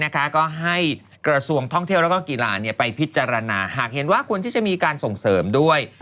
ก็ให้กระทรวงท่องเที่ยวแล้วก็กีฬาไปพิจารณาหากเห็นว่าควรที่จะมีการส่งเสริมด้วย